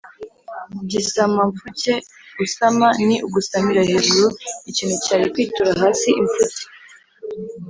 Gisamamfuke: gusama ni ugusamira hejuru ikintu cyari kwitura hasi. Imfuke